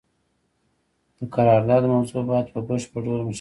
د قرارداد موضوع باید په بشپړ ډول مشخصه وي.